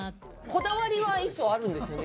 こだわりは衣装あるんですよね？